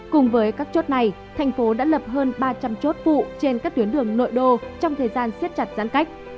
cùng với các chốt này thành phố đã lập hơn ba trăm linh chốt vụ trên các tuyến đường nội đô trong thời gian siết chặt giãn cách